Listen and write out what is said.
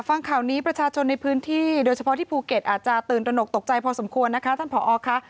ฟังข่าวนี้ประชาชนในพื้นที่โดยเฉพาะที่ภูเก็ตอาจจะตื่นตระหนกตกใจพอสมควรนะคะท่านผอค่ะ